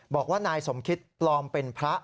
บอกว่านายสมคิตปลอมเป็นพระ